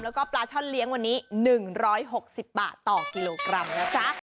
แล้วก็ปลาช่อนเลี้ยงวันนี้๑๖๐บาทต่อกิโลกรัมนะจ๊ะ